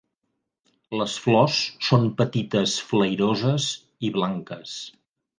Les flors són petites flairoses i blanques.